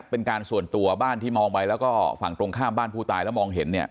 เป็นการส่วนตัวบ้านที่มองไปแล้วก็ฝั่งตรงข้ามบ้านผู้ตายแล้วมองเห็นเนี่ย